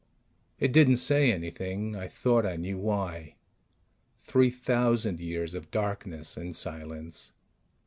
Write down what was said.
It didn't say anything. I thought I knew why. Three thousand years of darkness and silence